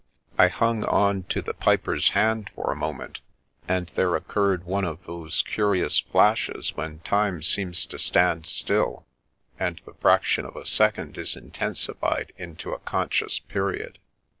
I hung on to the piper's hand for a moment, and there occurred one of those curious flashes when time seems to stand still, and the fraction of a second is intensified into a conscious period.